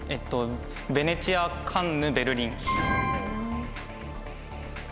ヴェネチアカンヌベルリン。